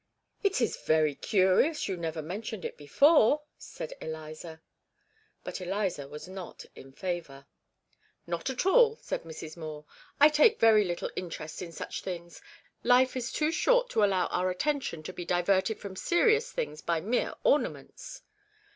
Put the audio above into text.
'It is very curious you never mentioned it before,' said Eliza. But Eliza was not in favour. 'Not at all,' said Mrs. Moore; 'I take very little interest in such things. Life is too short to allow our attention to be diverted from serious things by mere ornaments.'